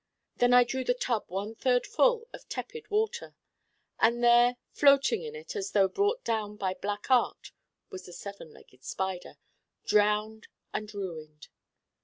Then I drew the tub one third full of tepid water. And there floating in it as if brought down by Black Art was the seven legged Spider, drowned and ruined.